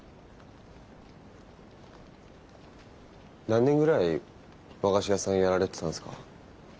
何年ぐらい和菓子屋さんやられてたんですか？